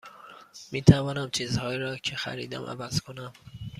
می توانم چیزهایی را که خریدم عوض کنم؟